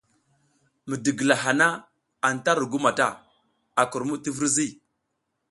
Midigila hana anta ru gu mata, a kurmud ti virzi.